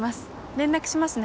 連絡しますね。